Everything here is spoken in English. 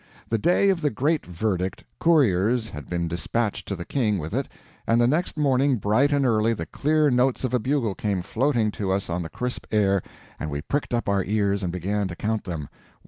The day of the great verdict, couriers had been despatched to the King with it, and the next morning bright and early the clear notes of a bugle came floating to us on the crisp air, and we pricked up our ears and began to count them.